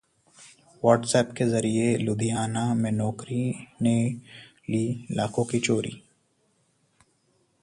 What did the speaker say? WhatsApp के जरिये लुधियाना में नौकरानी ने की लाखों की चोरी